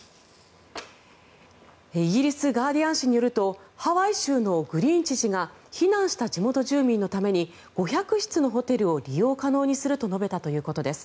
イギリスガーディアン紙によるとハワイ州のグリーン知事が避難した地元住民のために５００室のホテルを利用可能にすると述べたということです。